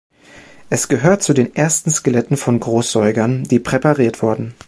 Es gehört zu den ersten Skeletten von Großsäugern, die präpariert wurden.